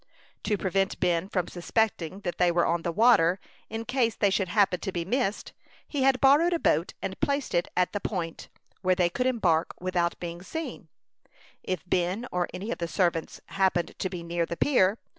To prevent Ben from suspecting that they were on the water, in case they should happen to be missed, he had borrowed a boat and placed it at the Point, where they could embark without being seen, if Ben or any of the servants happened to be near the pier.